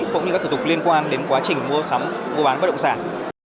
cũng như các thủ tục liên quan đến quá trình mua sắm mua bán bất động sản